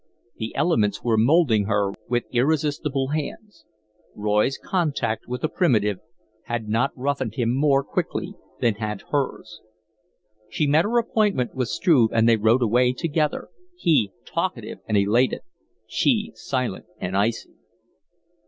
The elements were moulding her with irresistible hands. Roy's contact with the primitive had not roughened him more quickly than had hers. She met her appointment with Struve, and they rode away together, he talkative and elated, she silent and icy.